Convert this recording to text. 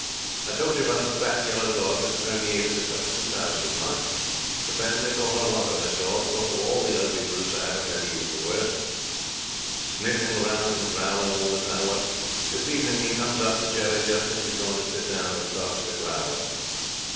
'I told you about the fat yellow dog that permeated the Tuxton's house, didn't I? The family thought a lot of that dog, though of all the ugly brutes I ever met he was the worst. Sniffing round and growling all the time. Well, this evening he comes up to Jerry just as he's going to sit down, and starts to growl.